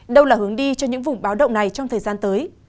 đâu là hướng đi cho những vùng báo động này trong thời gian tới